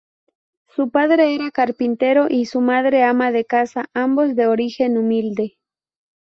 Su padre era carpintero y su madre ama de casa, ambos de origen humilde.